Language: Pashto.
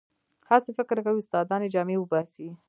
هسې فکر کوي استادان یې جامې وباسي.